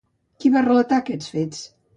Qui va relatar aquests fets?